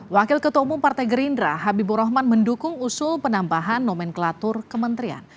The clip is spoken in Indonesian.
wakil ketua umum partai gerindra habibur rahman mendukung usul penambahan nomenklatur kementerian